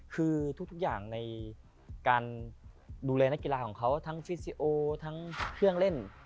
คือทุกอย่างในการดูแลนักกีฬาของเขาทั้งฟิสิโอทั้งเครื่องเล่น